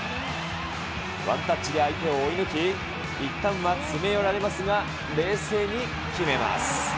ワンタッチで相手を追い抜き、いったんは詰め寄られますが、冷静に決めます。